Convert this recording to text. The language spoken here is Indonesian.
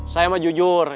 saya mah jujur